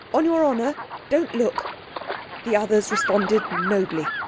On your honour don't look!" The others responded nobly.